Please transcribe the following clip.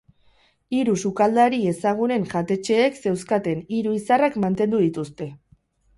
Hiru sukaldari ezagunen jatetxeek zeuzkaten hiru izarrak mantendu dituzte.